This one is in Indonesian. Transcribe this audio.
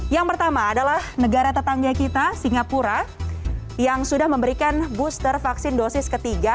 yang pertama adalah negara tetangga kita singapura yang sudah memberikan booster vaksin dosis ketiga